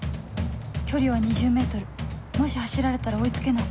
距離は ２０ｍ もし走られたら追い付けない